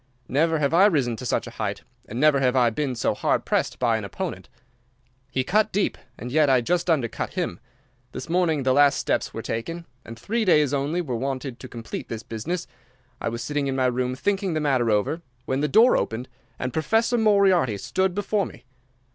Never have I risen to such a height, and never have I been so hard pressed by an opponent. He cut deep, and yet I just undercut him. This morning the last steps were taken, and three days only were wanted to complete the business. I was sitting in my room thinking the matter over, when the door opened and Professor Moriarty stood before me.